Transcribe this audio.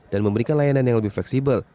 dan memberikan layanan yang lebih fleksibel